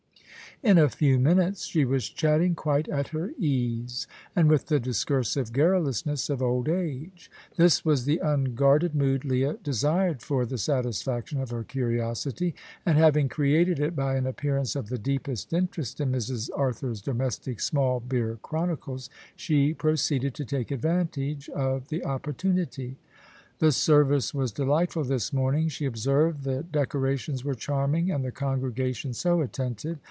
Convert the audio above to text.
In a few minutes she was chatting quite at her ease, and with the discursive garrulousness of old age. This was the unguarded mood Leah desired for the satisfaction of her curiosity, and having created it by an appearance of the deepest interest in Mrs. Arthur's domestic small beer chronicles, she proceeded to take advantage of the opportunity. "The service was delightful this morning," she observed; "the decorations were charming and the congregation so attentive.